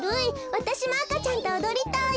わたしもあかちゃんとおどりたい。